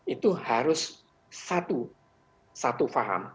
itu harus satu satu faham